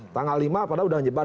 tanggal lima padahal udah nyebar